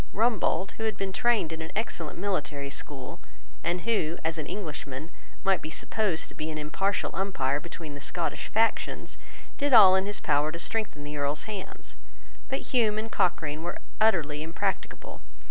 Rumbold, who had been trained in an excellent military school, and who, as an Englishman, might be supposed to be an impartial umpire between the Scottish factions, did all in his power to strengthen the Earl's hands. But Hume and Cochrane were utterly impracticable.